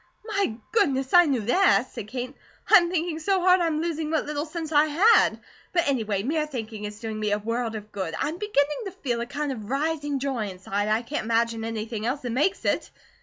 "My goodness! I knew that," said Kate. "I am thinking so hard I'm losing what little sense I had; but anyway, mere thinking is doing me a world of good. I am beginning to feel a kind of rising joy inside, and I can't imagine anything else that makes it."